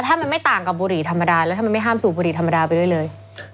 ถ้ามันไม่ต่างกับบุหรี่ธรรมดาแล้วทำไมไม่ห้ามสูบบุหรี่ธรรมดาไปด้วยเลย